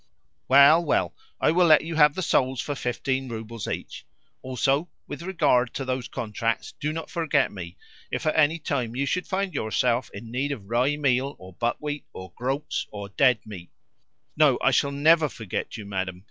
"Well, well, I will let you have the souls for fifteen roubles each. Also, with regard to those contracts, do not forget me if at any time you should find yourself in need of rye meal or buckwheat or groats or dead meat." "No, I shall NEVER forget you, madam!"